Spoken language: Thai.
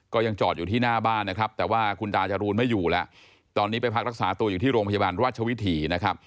ก็ยังจอดอยู่ที่หน้าบ้านนะครับแต่ว่าคุณตาจรูนไม่อยู่แล้วตอนนี้ไปพักรักษาตัวอยู่ที่โรงพยาบาลราชวิถีนะครับ